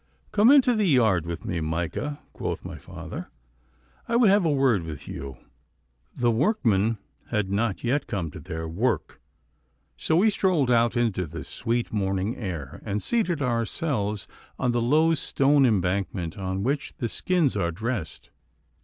'Come into the yard with me, Micah,' quoth my father; 'I would have a word with you.' The workmen had not yet come to their work, so we strolled out into the sweet morning air, and seated ourselves on the low stone bankment on which the skins are dressed.